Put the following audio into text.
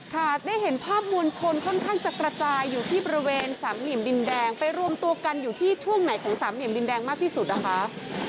ค่ะได้เห็นภาพมวลชนค่อนข้างจะกระจายอยู่ที่บริเวณสามเหลี่ยมดินแดงไปรวมตัวกันอยู่ที่ช่วงไหนของสามเหลี่ยมดินแดงมากที่สุดนะคะ